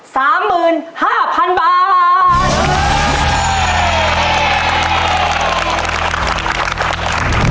สามหมื่นห้าพันบาท